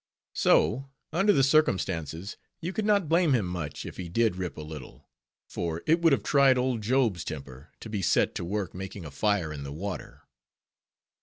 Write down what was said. So, under the circumstances, you could not blame him much, if he did rip a little, for it would have tried old Job's temper, to be set to work making a fire in the water.